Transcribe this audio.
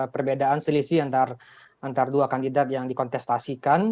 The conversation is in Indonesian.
perbedaan selisih antara dua kandidat yang dikontestasikan